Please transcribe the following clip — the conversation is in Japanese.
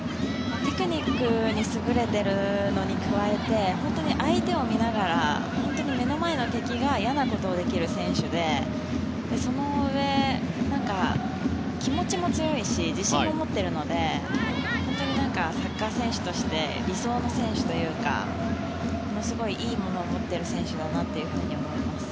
テクニックに優れているのに加えて本当に相手を見ながら目の前の敵が嫌なことをできる選手でそのうえ、気持ちも強いし自信も持っているので本当にサッカー選手として理想の選手というかものすごいいいものを持っている選手だなと思います。